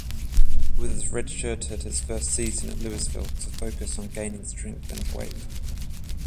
Withers redshirted his first season at Louisville to focus on gaining strength and weight.